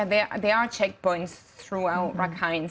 mereka menguruskan otoritas di seluruh negara rakhine